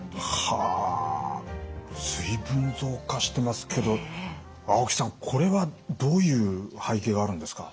はあ随分増加してますけど青木さんこれはどういう背景があるんですか？